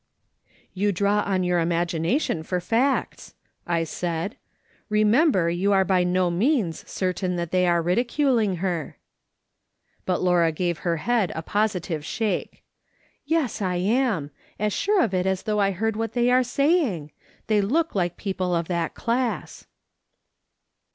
" You draw on your imagination for facts," I said. " Hemember you are by no means certain that they are ridiculing her.'' But Laura gave her head a positive shake. " Yes, I am ; as sure of it as though I heavd what they M'ere saying. They look like people of that cla.ss."